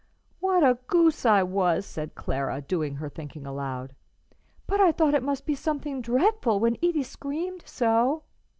"What a goose I was!" said Clara, doing her thinking aloud. "But I thought it must be something dreadful, when Edie screamed so."